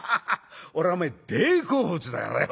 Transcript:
俺は大好物だからよ